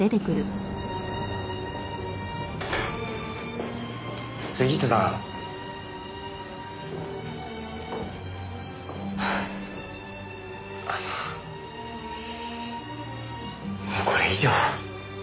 もうこれ以上。